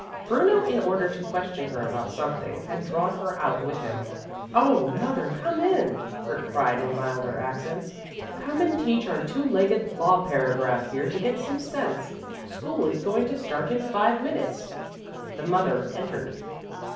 Bruno, in order to question her about something, had drawn her out with him. "Oh, mother, come in!" Kurt cried in milder accents. "Come and teach our two legged law paragraph here to get some sense. School is going to start in five minutes." The mother entered.